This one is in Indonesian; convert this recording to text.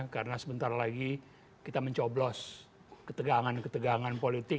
karena sebentar lagi kita mencoblos ketegangan ketegangan politik